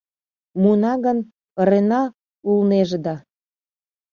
Муына гын, ырена улнеже да...